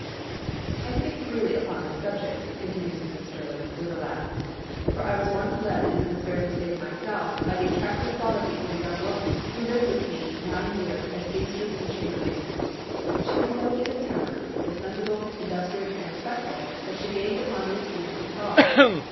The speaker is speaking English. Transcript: "I speak feelingly upon this subject," continues Mrs. Sterling, with a laugh; "for I was once led into this very mistake myself, by the attractive qualities of a young woman who lived with me nine years as seamstress and chambermaid. She was so even tempered, so sensible, industrious, and respectful, that she gained upon the esteem of us all.